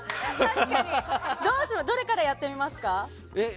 どれからやってみますか？